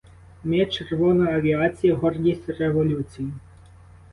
Ми — червона авіація, гордість революції!